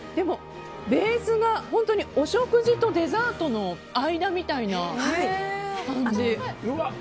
ベースが本当にお食事とデザートの間みたいな感じ。